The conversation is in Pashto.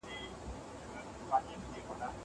زه مخکي درسونه لوستي وو!